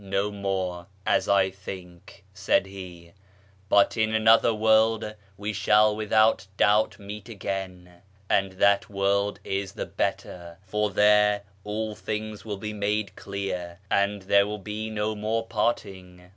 542 A YEAR AMONGST THE PERSIANS more, as I think," said he, " but in anotlicr world we sliall without doubt meet again, and that world is the better, for there all things will be made clear, and there will be no more parting."